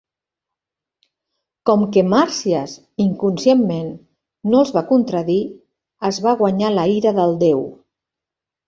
Com que Màrsies, inconscientment, no els va contradir, es va guanyar la ira del déu.